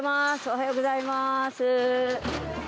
おはようございます。